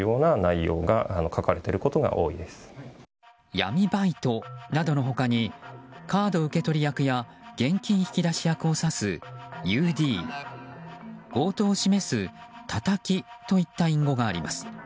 闇バイトなどの他にカード受け取り役や現金引き出し役を指す、ＵＤ強盗を示す、叩きといった隠語があります。